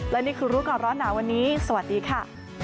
และนี่คือรู้ก่อนร้อนหนาวันนี้สวัสดีค่ะ